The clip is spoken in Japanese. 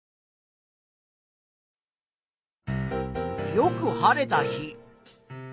よく晴れた日。